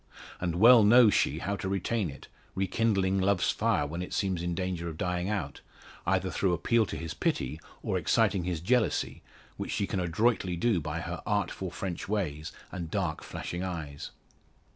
And well knows she how to retain it, rekindling love's fire when it seems in danger of dying out, either through appeal to his pity, or exciting his jealousy, which she can adroitly do, by her artful French ways and dark flashing eyes.